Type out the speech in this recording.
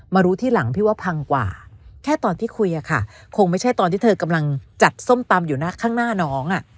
รู้ที่หลังพี่ว่าพังกว่าแค่ตอนที่คุยอะค่ะคงไม่ใช่ตอนที่เธอกำลังจัดส้มตำอยู่ข้างหน้าน้อง